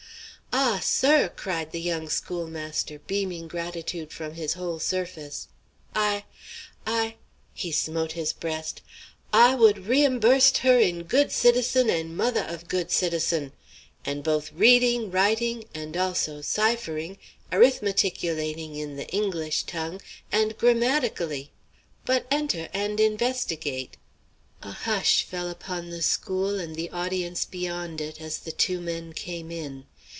"Ah! sir," cried the young schoolmaster, beaming gratitude from his whole surface, "I I" he smote his breast, "I would reimburst her in good citizen' and mother' of good citizen'! And both reading, writing, and also ciphering, arithmeticulating, in the English tongue, and grammatically! But enter and investigate." A hush fell upon the school and the audience beyond it as the two men came in.